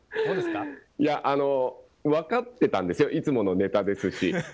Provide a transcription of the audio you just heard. いや、分かってたんですよ、いつものネタですし。